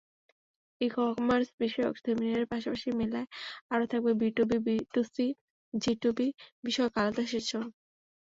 E-commerce বিষয়ক সেমিনারের পাশাপাশি মেলায় আরও থাকবে বিটুবি, বিটুসি, জিটুবি বিষয়ক আলাদা সেশন।